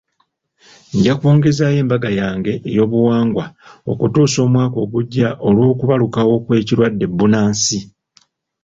Nja kwongezaayo embaga yange ey'obuwangwa okutuusa omwaka ogujja olw'okubalukawo kw'ekirwadde bbunansi.